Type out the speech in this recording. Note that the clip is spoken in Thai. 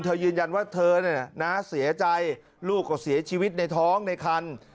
ยืนยันว่าเธอเนี่ยนะเสียใจลูกก็เสียชีวิตในท้องในคัน